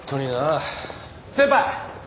先輩！